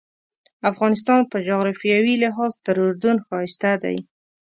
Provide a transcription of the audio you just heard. افغانستان په جغرافیوي لحاظ تر اردن ښایسته دی.